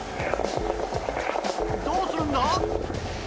どうするんだ？